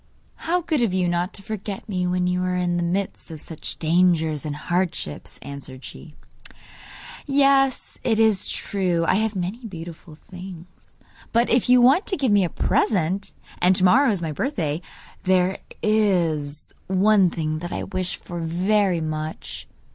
'How good of you not to forget me when you are in the midst of such dangers and hardships,' answered she. 'Yes, it is true I have many beautiful things; but if you want to give me a present and to morrow is my birthday there IS one thing that I wish for very much.